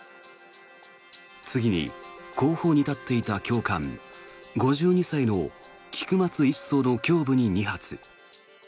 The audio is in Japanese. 次に後方に立っていた教官５２歳の菊松１曹の胸部に２発。